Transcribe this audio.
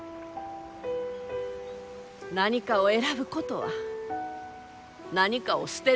何かを選ぶことは何かを捨てることじゃ。